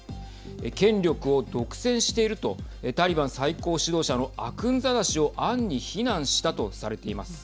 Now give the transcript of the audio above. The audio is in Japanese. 権力を独占しているとタリバン最高指導者のアクンザダ師を暗に非難したとされています。